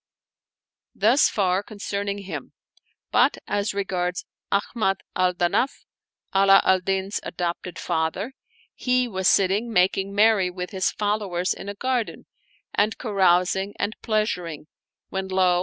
Thus far concerning him; but as regards Ahmad al Danaf, Ala al Din's adopted father, he was sitting making merry with his followers in a garden, and carousing and pleasuring when lo!